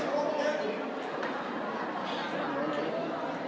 สวัสดีครับ